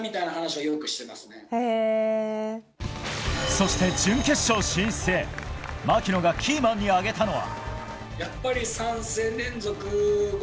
そして準決勝進出へ槙野がキーマンに挙げたのは。